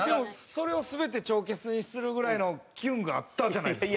それを全て帳消しにするぐらいのキュンがあったじゃないですか。